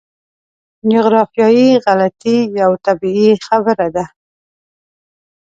جغرافیایي غلطي یوه طبیعي خبره ده.